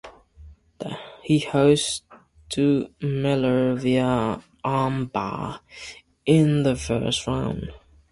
He lost to Miller via armbar in the first round.